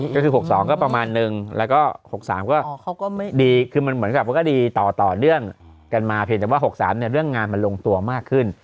ก็คือ๖๒ก็ประมาณหนึ่งแล้วก็๖๓ก็ดีต่อเรื่องกันมาเพียงแต่ว่า๖๓เรื่องงานมันลงตัวมากขึ้น